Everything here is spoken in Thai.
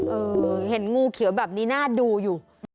เออเห็นงูเขียวแบบนี้น่าดูอยู่